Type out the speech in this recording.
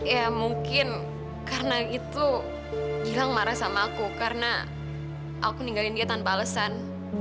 ya mungkin karena itu gilang marah sama aku karena aku ninggalin dia tanpa alesan